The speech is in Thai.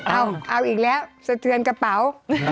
เอาเอาอีกแล้วสะเทือนกระเป๋า